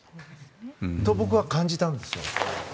と僕は感じたんです。